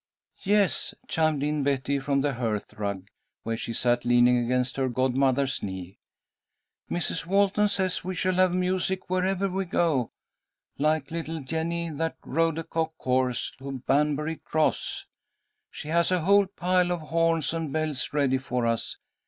"Yes," chimed in Betty from the hearth rug, where she sat leaning against her godmother's knee. "Mrs. Walton says we shall have music wherever we go, like little Jenny that 'rode a cock horse to Banbury Cross.' She has a whole pile of horns and bells ready for us.